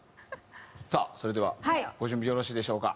さあそれではご準備よろしいでしょうか？